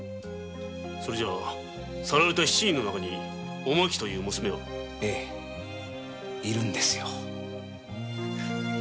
それじゃさらわれた七人の中にお槙という娘は？ええいるんですよ。